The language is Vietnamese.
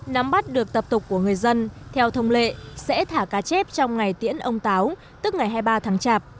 nắm bắt được tập tục của người dân theo thông lệ sẽ thả cá chép trong ngày tiễn ông táo tức ngày hai mươi ba tháng chạp